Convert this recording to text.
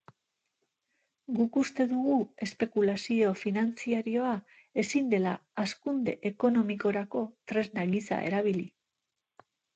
Guk uste dugu espekulazio finantzarioa ezin dela hazkunde ekonomikorako tresna gisa erabili.